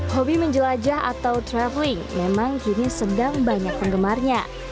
hobi menjelajah atau traveling memang kini sedang banyak penggemarnya